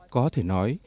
có thể nói